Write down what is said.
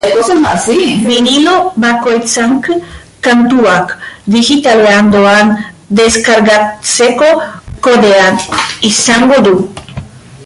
Binilo bakoitzak kantuak digitalean doan deskargatzeko kodea izango du.